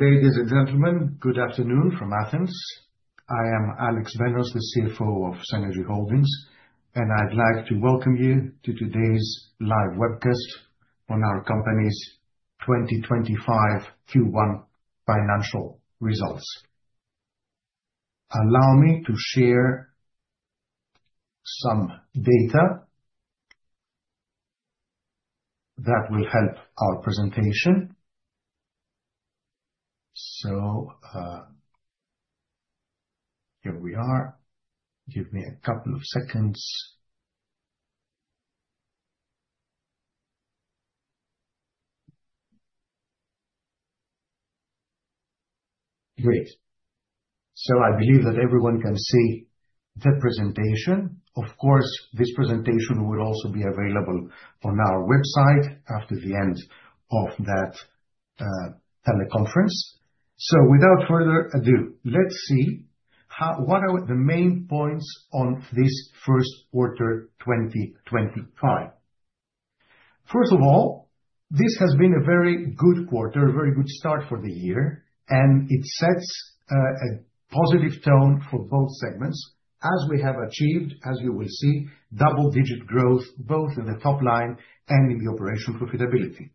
Ladies and gentlemen, good afternoon from Athens. I am Alexandros Benos, the CFO of Cenergy Holdings, and I'd like to welcome you to today's live webcast on our company's 2025 Q1 financial results. Allow me to share some data that will help our presentation. So, here we are. Give me a couple of seconds. Great. So I believe that everyone can see the presentation. Of course, this presentation will also be available on our website after the end of that teleconference. So, without further ado, let's see how—what are the main points on this first quarter 2025? First of all, this has been a very good quarter, a very good start for the year, and it sets a positive tone for both segments, as we have achieved, as you will see, double-digit growth both in the top line and in the operational profitability.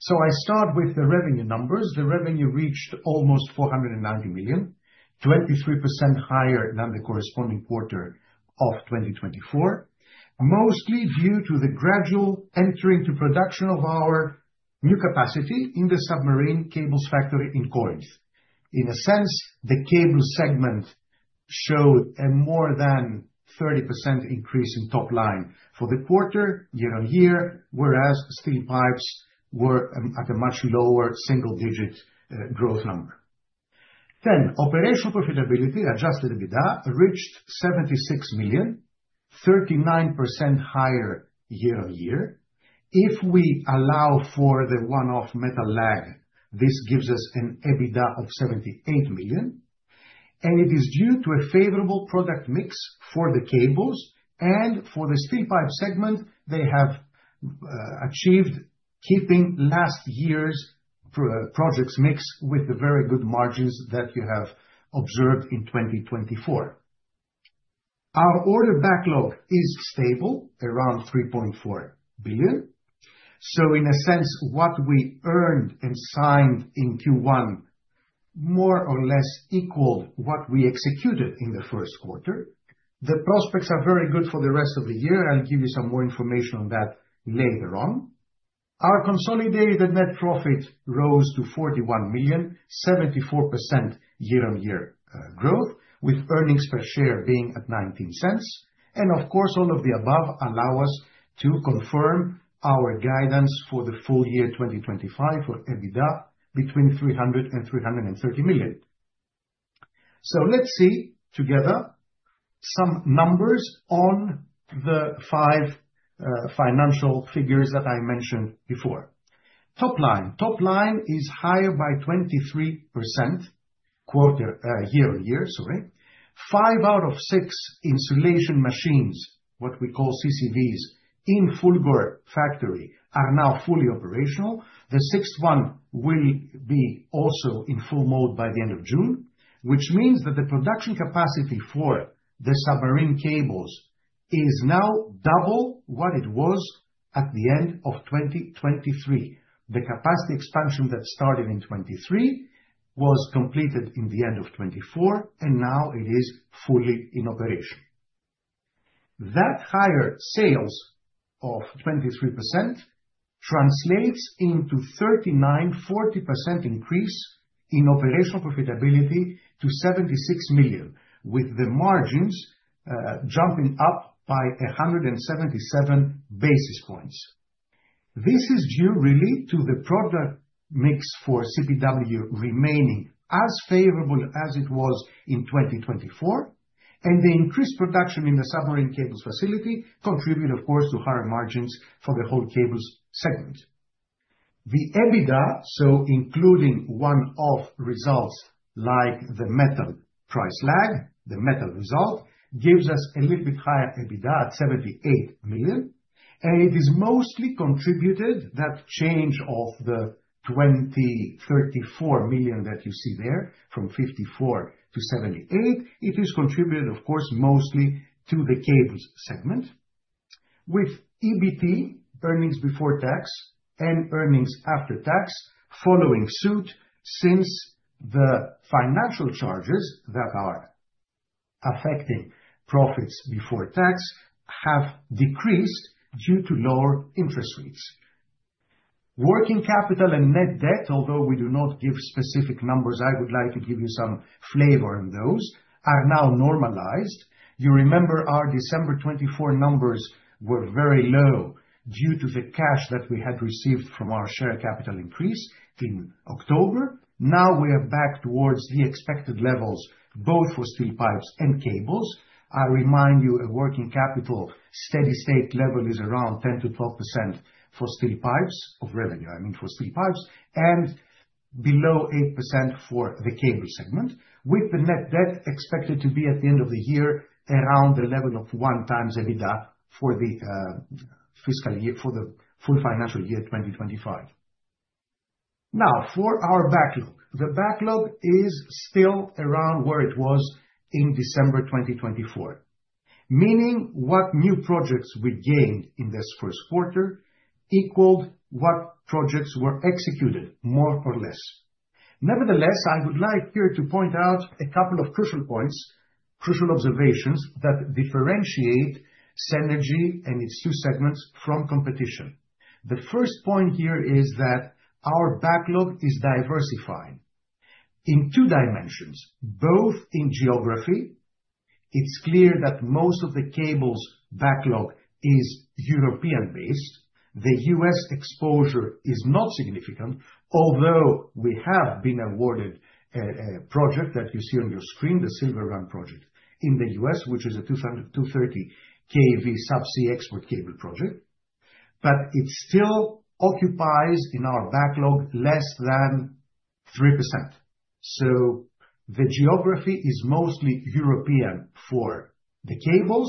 So I start with the revenue numbers. The revenue reached almost 490 million, 23% higher than the corresponding quarter of 2024, mostly due to the gradual entering to production of our new capacity in the submarine cables factory in Corinth. In a sense, the cable segment showed a more than 30% increase in top line for the quarter, year on year, whereas steel pipes were at a much lower single-digit growth number. Operational profitability, adjusted EBITDA, reached 76 million, 39% higher year on year. If we allow for the one-off metal lag, this gives us an EBITDA of 78 million. It is due to a favorable product mix for the cables and for the steel pipe segment. They have achieved keeping last year's projects mix with the very good margins that you have observed in 2024. Our order backlog is stable, around 3.4 billion. So, in a sense, what we earned and signed in Q1 more or less equaled what we executed in the first quarter. The prospects are very good for the rest of the year. I'll give you some more information on that later on. Our consolidated net profit rose to 41 million, 74% year-on-year growth, with earnings per share being at 0.19. And, of course, all of the above allow us to confirm our guidance for the full year 2025 for EBITDA between 300 million and 330 million. So let's see together some numbers on the five financial figures that I mentioned before. Top line. Top line is higher by 23% quarter year on year. Sorry. Five out of six insulation machines, what we call CCVs, in Fulgor factory are now fully operational. The sixth one will be also in full mode by the end of June, which means that the production capacity for the submarine cables is now double what it was at the end of 2023. The capacity expansion that started in 2023 was completed in the end of 2024, and now it is fully in operation. That higher sales of 23% translates into a 39%-40% increase in operational profitability to 76 million, with the margins jumping up by 177 basis points. This is due, really, to the product mix for CPW remaining as favorable as it was in 2024, and the increased production in the submarine cables facility contributes, of course, to higher margins for the whole cables segment. The EBITDA, so including one-off results like the metal price lag, the metal result, gives us a little bit higher EBITDA at 78 million, and it is mostly contributed—that change of the 24 million that you see there from 54 million to 78 million—it is contributed, of course, mostly to the cables segment, with EBT, earnings before tax, and earnings after tax following suit since the financial charges that are affecting profits before tax have decreased due to lower interest rates. Working capital and net debt, although we do not give specific numbers, I would like to give you some flavor on those, are now normalized. You remember our December 2024 numbers were very low due to the cash that we had received from our share capital increase in October. Now we are back towards the expected levels, both for steel pipes and cables. I remind you, a working capital steady-state level is around 10%-12% for steel pipes of revenue. I mean, for steel pipes, and below 8% for the cable segment, with the net debt expected to be at the end of the year around the level of one times EBITDA for the fiscal year, for the full financial year 2025. Now, for our backlog, the backlog is still around where it was in December 2024, meaning what new projects we gained in this first quarter equaled what projects were executed, more or less. Nevertheless, I would like here to point out a couple of crucial points, crucial observations that differentiate Cenergy and its two segments from competition. The first point here is that our backlog is diversifying in two dimensions, both in geography. It's clear that most of the cables backlog is European-based. The U.S. exposure is not significant, although we have been awarded a project that you see on your screen, the Silver Run Project in the U.S., which is a 230kV subsea export cable project, but it still occupies in our backlog less than 3%. So the geography is mostly European for the cables,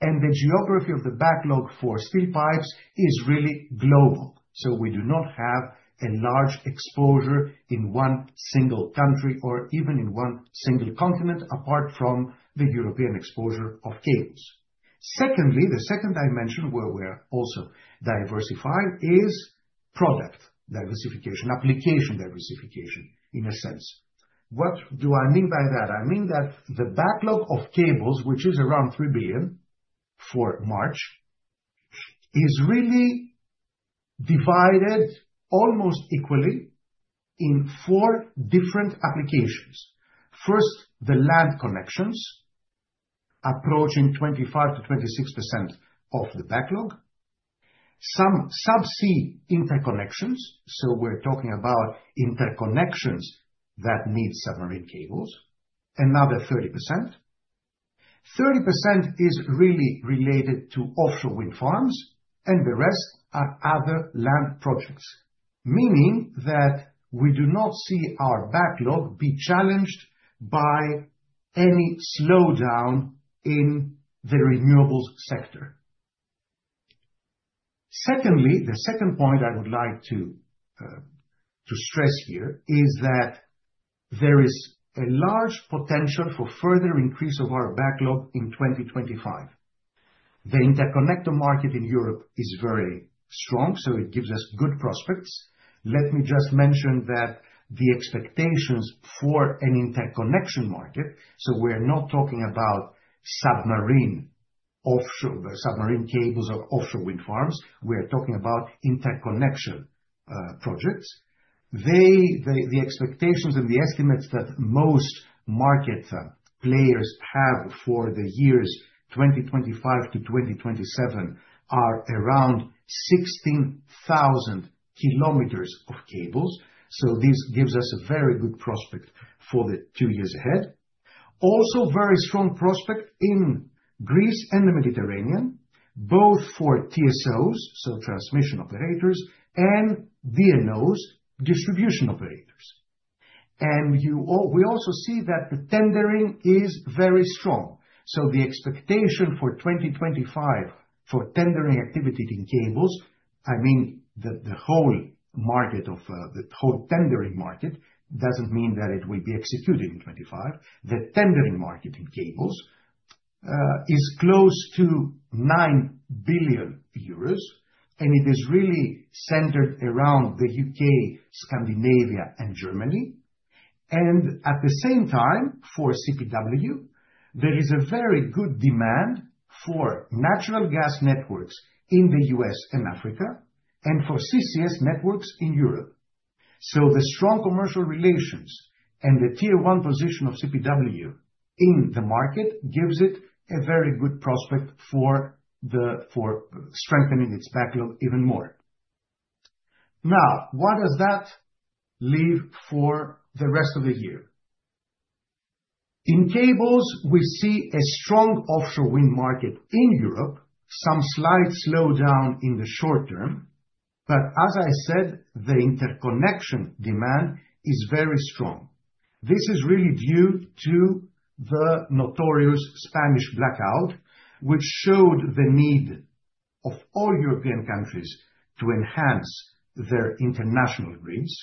and the geography of the backlog for steel pipes is really global. So we do not have a large exposure in one single country or even in one single continent apart from the European exposure of cables. Secondly, the second dimension where we are also diversifying is product diversification, application diversification in a sense. What do I mean by that? I mean that the backlog of cables, which is around 3 billion for March, is really divided almost equally in four different applications. First, the land connections approaching 25%-26% of the backlog, some subsea interconnections, so we're talking about interconnections that need submarine cables, another 30%. 30% is really related to offshore wind farms, and the rest are other land projects, meaning that we do not see our backlog be challenged by any slowdown in the renewables sector. Secondly, the second point I would like to stress here is that there is a large potential for further increase of our backlog in 2025. The interconnector market in Europe is very strong, so it gives us good prospects. Let me just mention that the expectations for an interconnection market, so we're not talking about submarine offshore, submarine cables or offshore wind farms. We are talking about interconnection projects. The expectations and the estimates that most market players have for the years 2025 to 2027 are around 16,000 km of cables. So this gives us a very good prospect for the two years ahead. Also, very strong prospect in Greece and the Mediterranean, both for TSOs, so transmission operators, and DNOs, distribution operators. And you all, we also see that the tendering is very strong. So the expectation for 2025 for tendering activity in cables, I mean, the whole tendering market doesn't mean that it will be executed in 2025. The tendering market in cables is close to 9 billion euros, and it is really centered around the U.K., Scandinavia, and Germany. And at the same time, for CPW, there is a very good demand for natural gas networks in the U.S. and Africa and for CCS networks in Europe. So the strong commercial relations and the tier one position of CPW in the market gives it a very good prospect for strengthening its backlog even more. Now, what does that leave for the rest of the year? In cables, we see a strong offshore wind market in Europe, some slight slowdown in the short term, but as I said, the interconnection demand is very strong. This is really due to the notorious Spanish blackout, which showed the need of all European countries to enhance their international grids,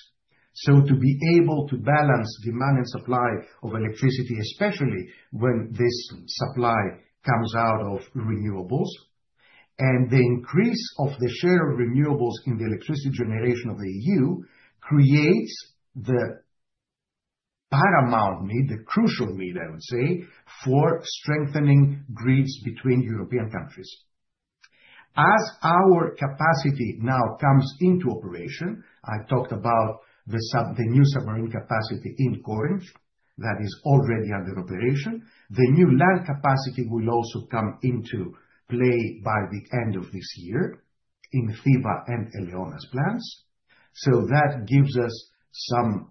so to be able to balance demand and supply of electricity, especially when this supply comes out of renewables. And the increase of the share of renewables in the electricity generation of the EU creates the paramount need, the crucial need, I would say, for strengthening grids between European countries. As our capacity now comes into operation, I talked about the sub, the new submarine capacity in Corinth that is already under operation. The new land capacity will also come into play by the end of this year in Thiva and Eleonas plants. So that gives us some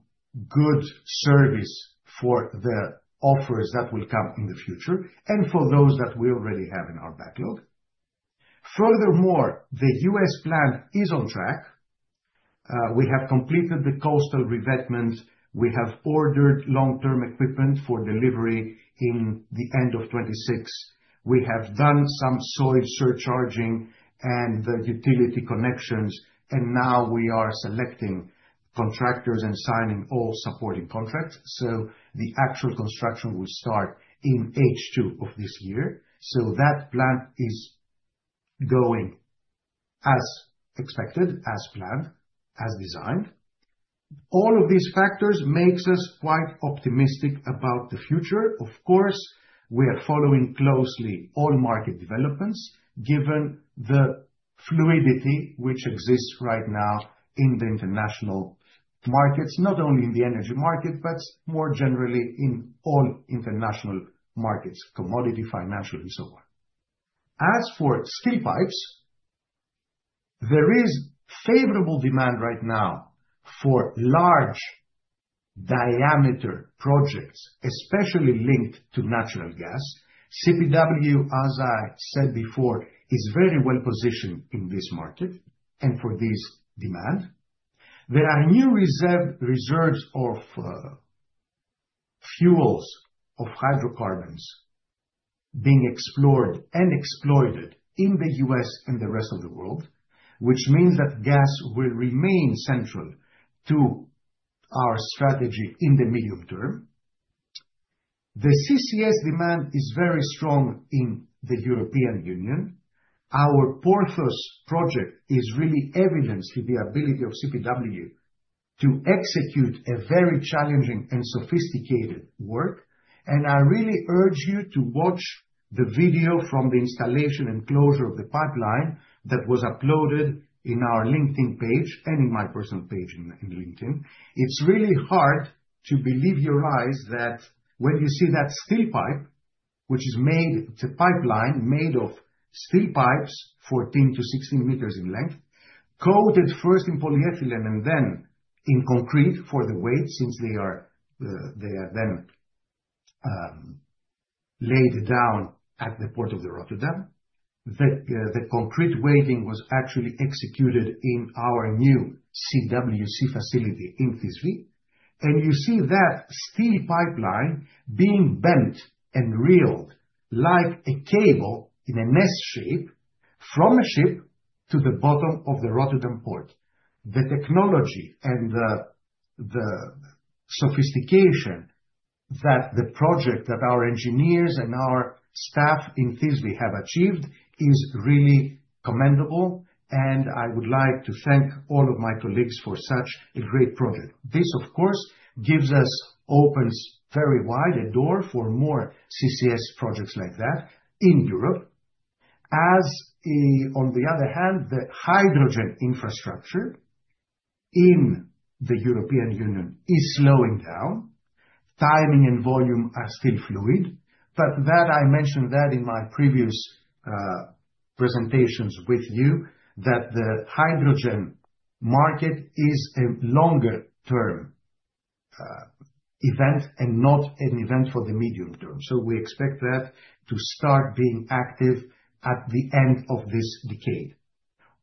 good service for the offers that will come in the future and for those that we already have in our backlog. Furthermore, the U.S. plant is on track. We have completed the coastal revetment. We have ordered long-term equipment for delivery in the end of 2026. We have done some soil surcharging and the utility connections, and now we are selecting contractors and signing all supporting contracts. So the actual construction will start in H2 of this year. So that plant is going as expected, as planned, as designed. All of these factors make us quite optimistic about the future. Of course, we are following closely all market developments given the fluidity which exists right now in the international markets, not only in the energy market, but more generally in all international markets, commodity, financial, and so on. As for steel pipes, there is favorable demand right now for large diameter projects, especially linked to natural gas. CPW, as I said before, is very well positioned in this market and for this demand. There are new reserves of hydrocarbon fuels being explored and exploited in the U.S. and the rest of the world, which means that gas will remain central to our strategy in the medium term. The CCS demand is very strong in the European Union. Our Porthos project is really evidence to the ability of CPW to execute a very challenging and sophisticated work. I really urge you to watch the video from the installation and closure of the pipeline that was uploaded in our LinkedIn page and in my personal page in LinkedIn. It's really hard to believe your eyes that when you see that steel pipe, which is made to pipeline made of steel pipes, 14 m-16 m in length, coated first in polyethylene and then in concrete for the weight, since they are then laid down at the Port of Rotterdam. The concrete weight coating was actually executed in our new CWC facility in Thisvi. You see that steel pipeline being bent and reeled like a cable in an S shape from a ship to the bottom of the Port of Rotterdam. The technology and the sophistication that the project that our engineers and our staff in Thisvi have achieved is really commendable. And I would like to thank all of my colleagues for such a great project. This, of course, gives us, opens very wide a door for more CCS projects like that in Europe. As on the other hand, the hydrogen infrastructure in the European Union is slowing down. Timing and volume are still fluid, but that I mentioned that in my previous, presentations with you, that the hydrogen market is a longer term, event and not an event for the medium term. So we expect that to start being active at the end of this decade.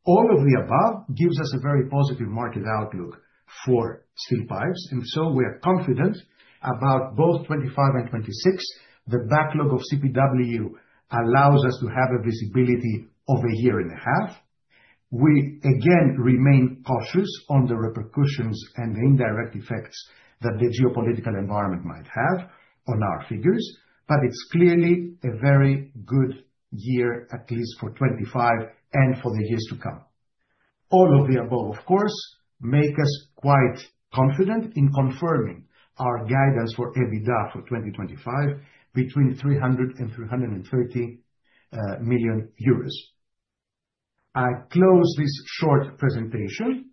All of the above gives us a very positive market outlook for steel pipes. And so we are confident about both 2025 and 2026. The backlog of CPW allows us to have a visibility of a year and a half. We again remain cautious on the repercussions and the indirect effects that the geopolitical environment might have on our figures, but it's clearly a very good year, at least for 2025 and for the years to come. All of the above, of course, make us quite confident in confirming our guidance for EBITDA for 2025 between 300 million euros and 330 million euros. I close this short presentation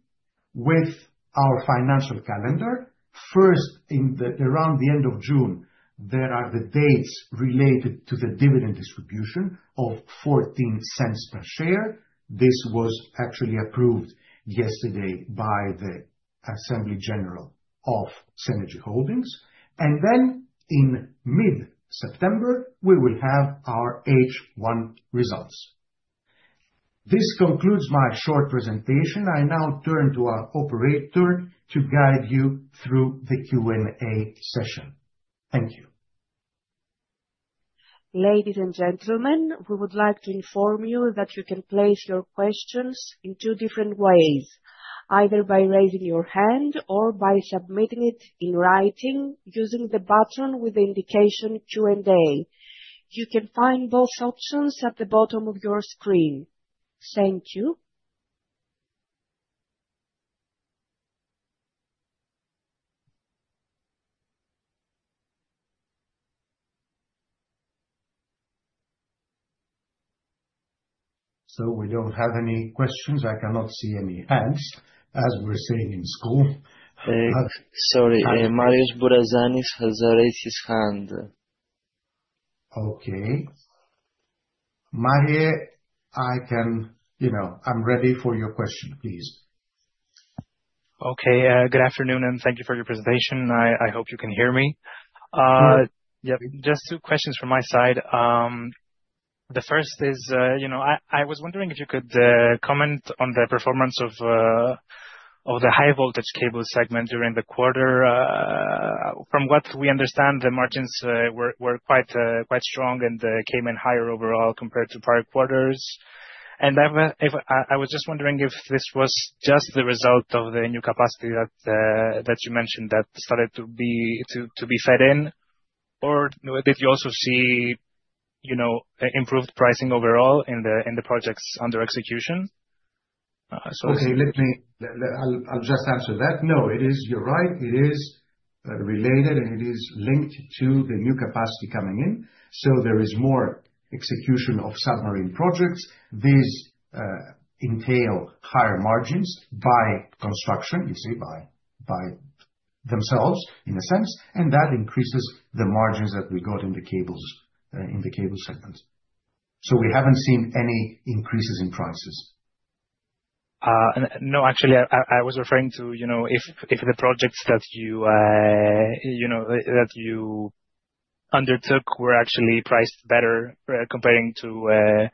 with our financial calendar. First, in the, around the end of June, there are the dates related to the dividend distribution of 0.14 per share. This was actually approved yesterday by the General Assembly of Cenergy Holdings. And then in mid-September, we will have our H1 results. This concludes my short presentation. I now turn to our operator to guide you through the Q&A session. Thank you. Ladies and gentlemen, we would like to inform you that you can place your questions in two different ways, either by raising your hand or by submitting it in writing using the button with the indication Q&A. You can find both options at the bottom of your screen. Thank you. So we don't have any questions. I cannot see any hands, as we're seeing in school. Sorry, Marios Bourozanis has raised his hand. Okay. Marios, I can, you know, I'm ready for your question, please. Okay. Good afternoon and thank you for your presentation. I hope you can hear me. Yep, just two questions from my side. The first is, you know, I was wondering if you could comment on the performance of the high voltage cable segment during the quarter. From what we understand, the margins were quite strong and came in higher overall compared to prior quarters. I was just wondering if this was just the result of the new capacity that you mentioned that started to be fed in, or did you also see, you know, improved pricing overall in the projects under execution? Okay, let me just answer that. No, it is. You're right. It is related and it is linked to the new capacity coming in. So there is more execution of submarine projects. These entail higher margins by construction, you see, by themselves in a sense, and that increases the margins that we got in the cables, in the cable segments. So we haven't seen any increases in prices. No, actually, I was referring to, you know, if the projects that you, you know, that you undertook were actually priced better, comparing to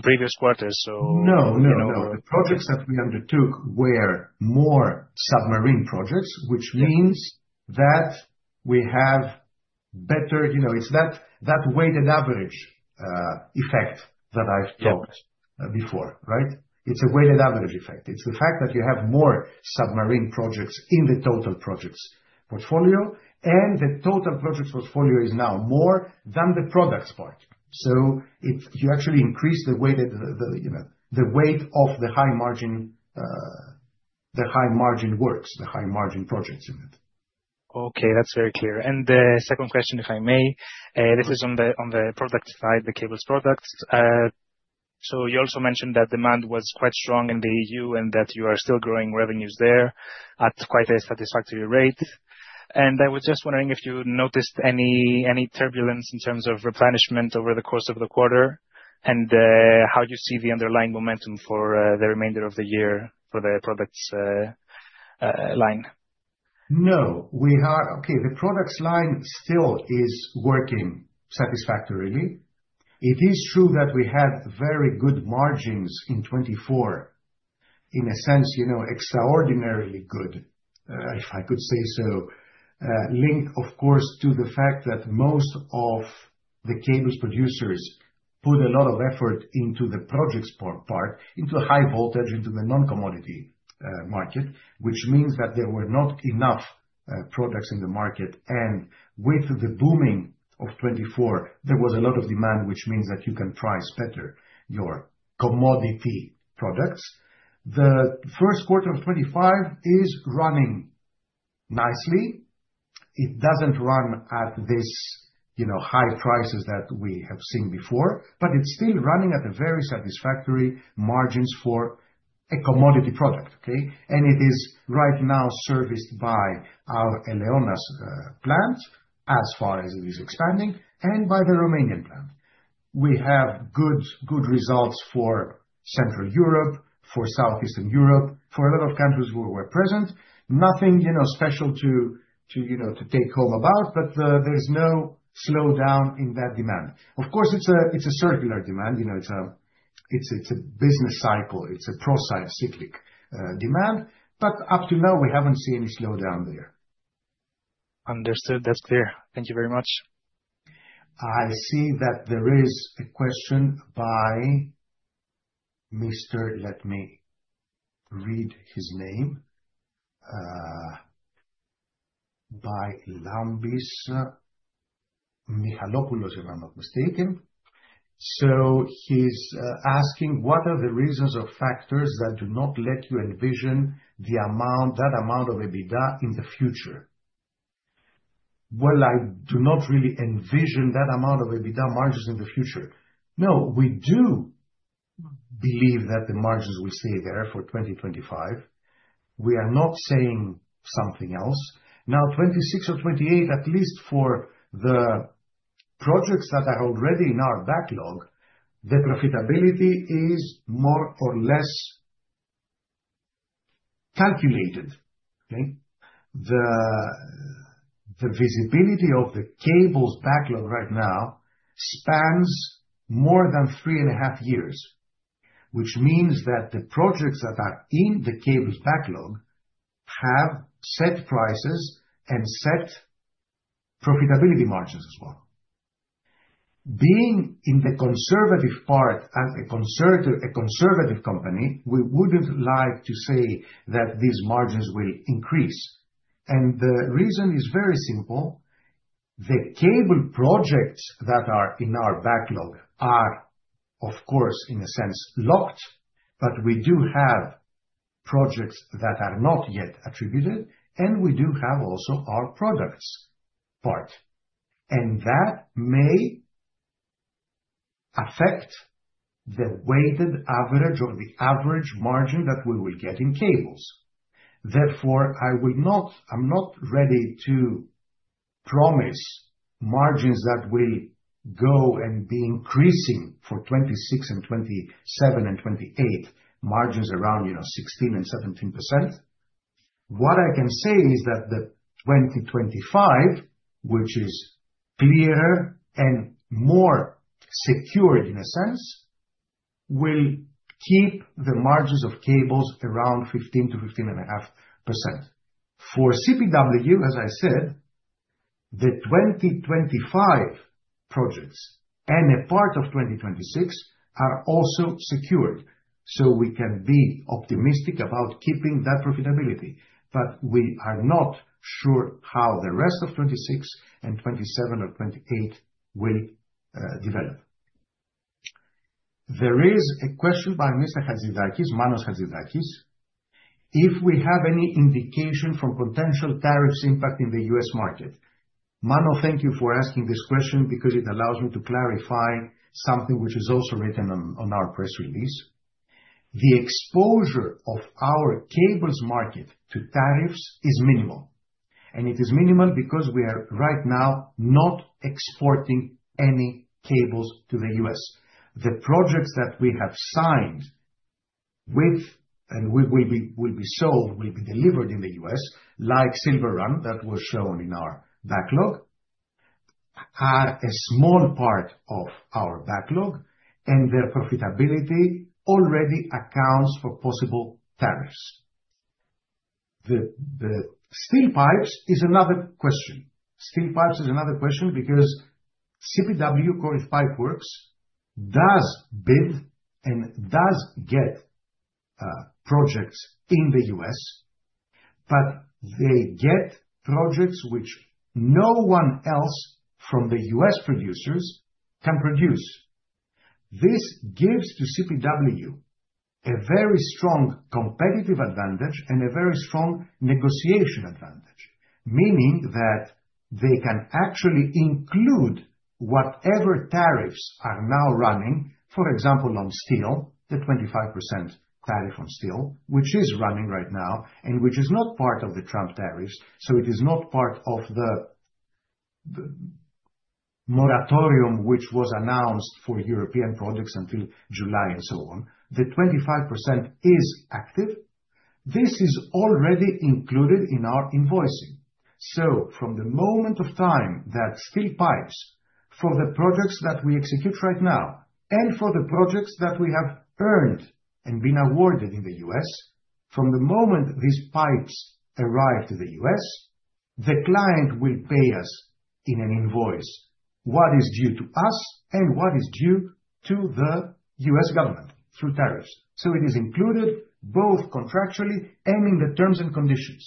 previous quarters. No, the projects that we undertook were more submarine projects, which means that we have better, you know, it's that weighted average effect that I've talked before, right? It's a weighted average effect. It's the fact that you have more submarine projects in the total projects portfolio, and the total projects portfolio is now more than the products part. So it, you actually increase the weighted, you know, the weight of the high margin, the high margin works, the high margin projects unit. Okay, that's very clear. And the second question, if I may, this is on the product side, the cables products. So you also mentioned that demand was quite strong in the EU and that you are still growing revenues there at quite a satisfactory rate. And I was just wondering if you noticed any turbulence in terms of replenishment over the course of the quarter and how you see the underlying momentum for the remainder of the year for the products line. No, we are okay. The products line still is working satisfactorily. It is true that we had very good margins in 2024, in a sense, you know, extraordinarily good, if I could say so, linked, of course, to the fact that most of the cables producers put a lot of effort into the projects part, into a high voltage, into the non-commodity market, which means that there were not enough products in the market. And with the booming of 2024, there was a lot of demand, which means that you can price better your commodity products. The first quarter of 2025 is running nicely. It doesn't run at this, you know, high prices that we have seen before, but it's still running at a very satisfactory margins for a commodity product, okay? And it is right now serviced by our Eleonas plant as far as it is expanding and by the Romanian plant. We have good results for Central Europe, for Southeastern Europe, for a lot of countries where we're present. Nothing, you know, special to take home about, but there's no slowdown in that demand. Of course, it's a cyclical demand, you know. It's a business cycle. It's a procyclical demand, but up to now we haven't seen any slowdown there. Understood, that's clear. Thank you very much. I see that there is a question by Mr., let me read his name, by Lambis Michalopoulos, if I'm not mistaken. So he's asking what are the reasons or factors that do not let you envision the amount, that amount of EBITDA in the future. Well, I do not really envision that amount of EBITDA margins in the future. No, we do believe that the margins will stay there for 2025. We are not saying something else. Now, 2026 or 2028, at least for the projects that are already in our backlog, the profitability is more or less calculated, okay? The visibility of the cables backlog right now spans more than three and a half years, which means that the projects that are in the cables backlog have set prices and set profitability margins as well. Being in the conservative part, as a conservative, a conservative company, we wouldn't like to say that these margins will increase. And the reason is very simple. The cable projects that are in our backlog are, of course, in a sense, locked, but we do have projects that are not yet attributed, and we do have also our products part, and that may affect the weighted average or the average margin that we will get in cables. Therefore, I will not, I'm not ready to promise margins that will go and be increasing for 2026 and 2027 and 2028, margins around, you know, 16%-17%. What I can say is that 2025, which is clearer and more secured in a sense, will keep the margins of cables around 15%-15.5%. For CPW, as I said, the 2025 projects and a part of 2026 are also secured, so we can be optimistic about keeping that profitability, but we are not sure how the rest of 2026 and 2027 or 2028 will develop. There is a question by Mr. Chatzidakis, Manos Chatzidakis, if we have any indication from potential tariffs impact in the U.S. market. Mano, thank you for asking this question because it allows me to clarify something which is also written on our press release. The exposure of our cables market to tariffs is minimal, and it is minimal because we are right now not exporting any cables to the U.S. The projects that we have signed with and will be, will be sold, will be delivered in the U.S., like Silver Run that was shown in our backlog, are a small part of our backlog, and their profitability already accounts for possible tariffs. The steel pipes is another question. Steel pipes is another question because CPW, Corinth Pipeworks, does bid and does get projects in the U.S., but they get projects which no one else from the U.S. producers can produce. This gives to CPW a very strong competitive advantage and a very strong negotiation advantage, meaning that they can actually include whatever tariffs are now running, for example, on steel, the 25% tariff on steel, which is running right now and which is not part of the Trump tariffs. So it is not part of the moratorium which was announced for European projects until July and so on. The 25% is active. This is already included in our invoicing. So from the moment of time that steel pipes for the projects that we execute right now and for the projects that we have earned and been awarded in the U.S., from the moment these pipes arrive to the U.S., the client will pay us in an invoice what is due to us and what is due to the U.S. government through tariffs. So it is included both contractually and in the terms and conditions.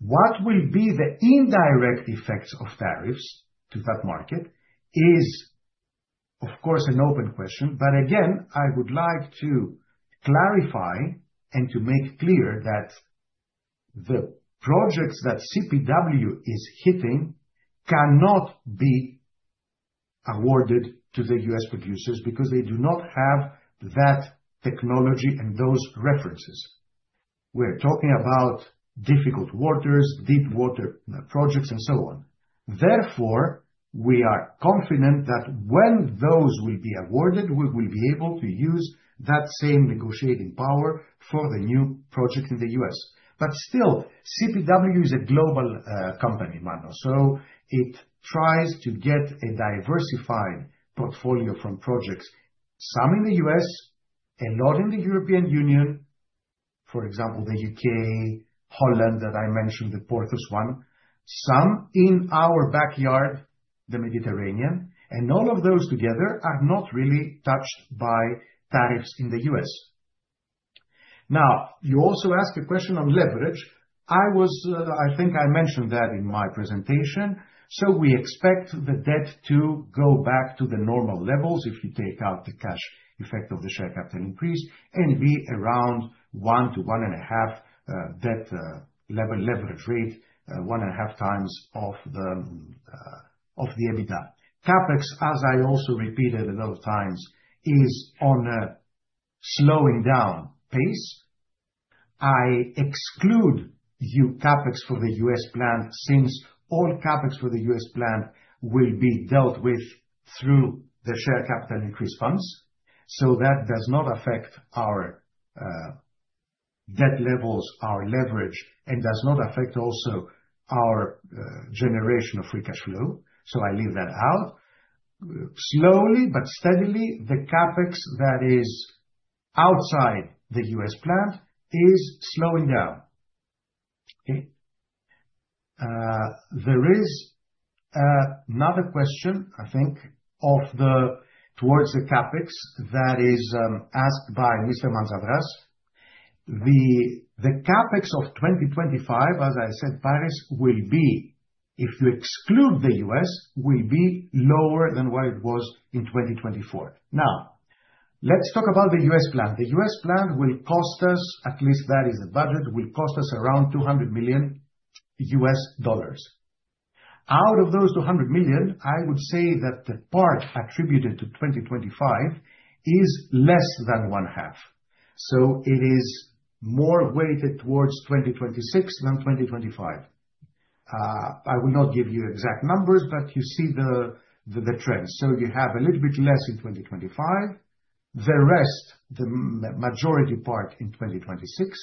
What will be the indirect effects of tariffs to that market is, of course, an open question, but again, I would like to clarify and to make clear that the projects that CPW is bidding cannot be awarded to the U.S. producers because they do not have that technology and those references. We're talking about difficult waters, deep water projects, and so on. Therefore, we are confident that when those will be awarded, we will be able to use that same negotiating power for the new projects in the U.S. But still, CPW is a global company, Mano, so it tries to get a diversified portfolio from projects, some in the U.S., a lot in the European Union, for example, the U.K., Holland that I mentioned, the Porthos one, some in our backyard, the Mediterranean, and all of those together are not really touched by tariffs in the U.S. Now, you also ask a question on leverage. I was, I think I mentioned that in my presentation. So we expect the debt to go back to the normal levels if you take out the cash effect of the share capital increase and be around one to one and a half debt leverage rate, one and a half times of the EBITDA. CapEx, as I also repeated a lot of times, is on a slowing down pace. I exclude the CapEx for the U.S. plant since all CapEx for the U.S. plant will be dealt with through the share capital increase funds. So that does not affect our debt levels, our leverage, and does not affect also our generation of free cash flow. So I leave that out. Slowly but steadily, the CapEx that is outside the U.S. plant is slowing down. Okay. There is another question, I think, towards the CapEx that is asked by Mr. Mantzras. The CapEx of 2025, as I said, Paris, will be, if you exclude the U.S., lower than what it was in 2024. Now, let's talk about the U.S. plant. The U.S. plant will cost us, at least that is the budget, around $200 million. Out of those $200 million, I would say that the part attributed to 2025 is less than one half. So it is more weighted towards 2026 than 2025. I will not give you exact numbers, but you see the trend. So you have a little bit less in 2025, the rest, the majority part in 2026,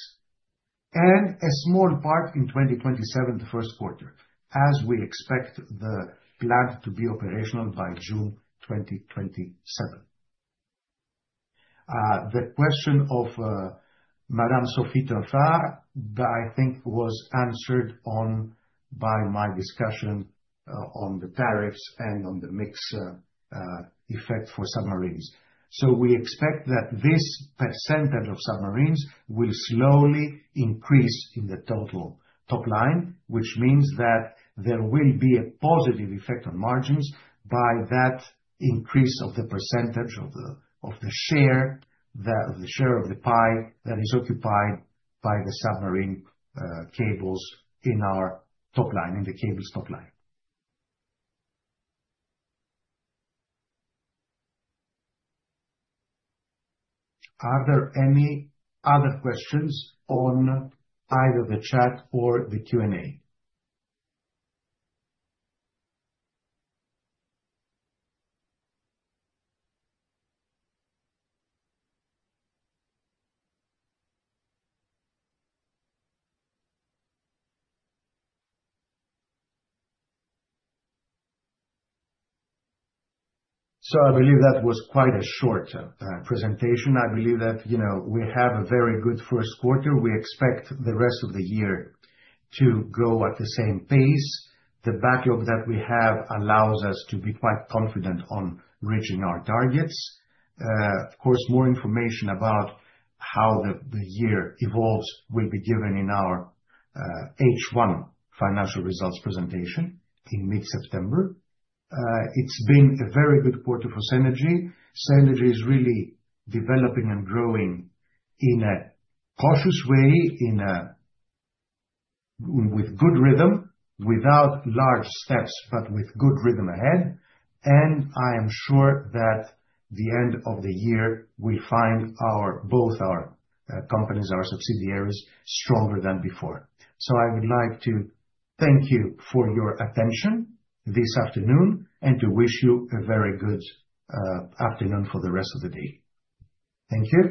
and a small part in 2027, the first quarter, as we expect the plant to be operational by June 2027. The question of Madame Sophie Tinta, I think was answered on by my discussion on the tariffs and on the mix effect for submarines. So we expect that this percentage of submarines will slowly increase in the total top line, which means that there will be a positive effect on margins by that increase of the percentage of the, of the share, the, of the share of the pie that is occupied by the submarine cables in our top line, in the cables top line. Are there any other questions on either the chat or the Q&A? So I believe that was quite a short presentation. I believe that, you know, we have a very good first quarter. We expect the rest of the year to go at the same pace. The backlog that we have allows us to be quite confident on reaching our targets. Of course, more information about how the year evolves will be given in our H1 financial results presentation in mid-September. It's been a very good quarter for Cenergy. Cenergy is really developing and growing in a cautious way, with good rhythm, without large steps, but with good rhythm ahead. And I am sure that the end of the year we find both our companies, our subsidiaries stronger than before. So I would like to thank you for your attention this afternoon and to wish you a very good afternoon for the rest of the day. Thank you.